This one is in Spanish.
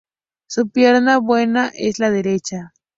Su pierna buena es la derecha.